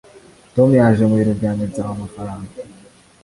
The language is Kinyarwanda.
tom yaje mu biro byanjye ansaba amafaranga